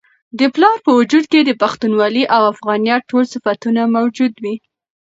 د پلار په وجود کي د پښتونولۍ او افغانیت ټول صفتونه موجود وي.